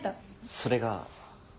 それが。